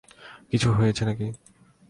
কিছু হয়েছে নাকি?